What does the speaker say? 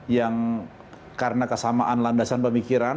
yang karena kesamaan landasan pemikiran